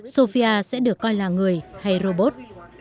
sofia sẽ được coi là người hay robot